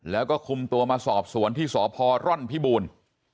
แล้วก็คุมตัวมาสอบสวนที่สพร่อนพิบูรณ์